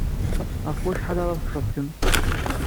Ɣef wacḥal ara teččeḍ kemm?